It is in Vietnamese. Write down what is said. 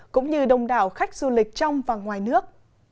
cũng như đông đảo khách du lịch trong và ngoài nước